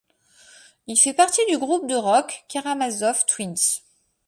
Il fait partie du groupe de rock Karamazov Twins.